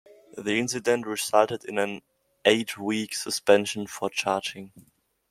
The incident resulted in an eight-week suspension for charging.